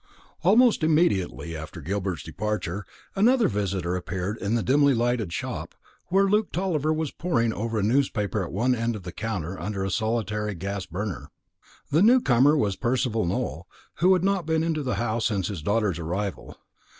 Almost immediately after Gilbert's departure, another visitor appeared in the dimly lighted shop, where Luke Tulliver was poring over a newspaper at one end of the counter under a solitary gas burner. The new comer was Percival Nowell, who had not been to the house since his daughter's arrival.